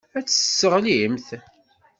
Ad t-tesseɣlimt.